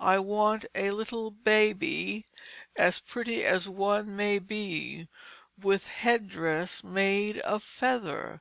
I want a little Babye As pretty a one as may be With head dress made of Feather."